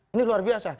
ini luar biasa